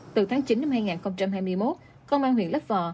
từ tháng chín năm hai nghìn hai mươi một công an huyện lấp vò